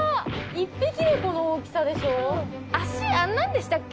１匹でこの大きさでしょ？